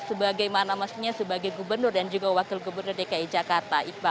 sebagai mana maksudnya sebagai gubernur dan juga wakil gubernur dki jakarta